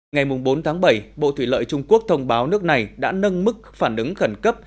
ngày bốn tháng bảy bộ thủy lợi trung quốc thông báo nước này đã nâng mức phản ứng khẩn cấp